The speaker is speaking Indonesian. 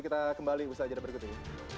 kita kembali usaha saja deh berikut ini